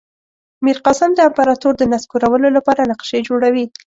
میرقاسم د امپراطور د نسکورولو لپاره نقشې جوړوي.